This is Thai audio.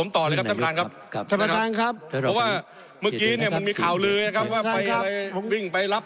ท่านประธานที่ขอรับครับ